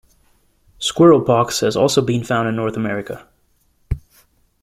Squirrel pox has also been found in North America.